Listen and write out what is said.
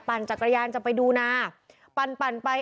จักรยานจะไปดูนาปั่นไป